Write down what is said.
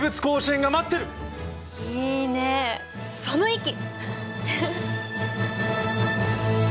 いいねその意気！